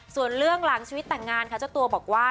ส่วนเรื่องหลังชีวิตแต่งงานค่ะเจ้าตัวบอกว่า